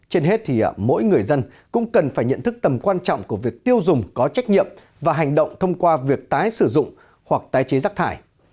trên hết thì mỗi người dân cũng cần phải nhận thức tầm quan trọng của việc tiêu dùng có trách nhiệm và hành động thông qua việc tái sử dụng hoặc tái chế rác thải